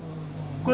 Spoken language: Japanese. これ。